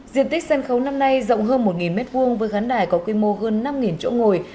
diện tích sân khấu năm nay rộng hơn một m hai với khán đài có quy mô hơn năm chỗ ngồi